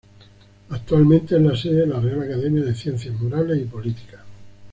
Actualmente es la sede de la Real Academia de Ciencias Morales y Políticas.